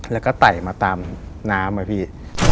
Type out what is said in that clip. แล้วก็ไต่มาตามน้ำอะพี่